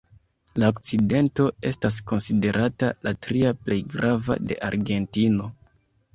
La akcidento estas konsiderata la tria plej grava de Argentino.